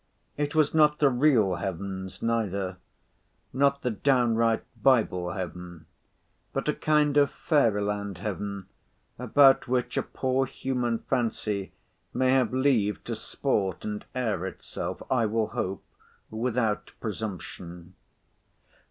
It was not the real heavens neither—not the downright Bible heaven—but a kind of fairyland heaven, about which a poor human fancy may have leave to sport and air itself, I will hope, without presumption.